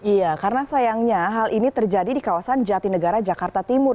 iya karena sayangnya hal ini terjadi di kawasan jatinegara jakarta timur